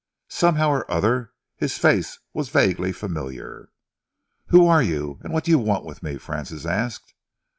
Somehow or other, his face was vaguely familiar. "Who are you, and what do you want with me?" Francis asked.